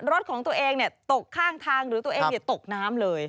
รถของตัวเองตกข้างทางหรือตัวเองตกน้ำเลย